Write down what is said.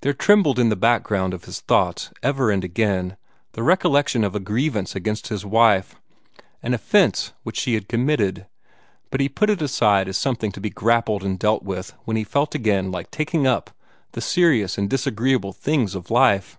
There trembled in the background of his thoughts ever and again the recollection of a grievance against his wife an offence which she had committed but he put it aside as something to be grappled and dealt with when he felt again like taking up the serious and disagreeable things of life.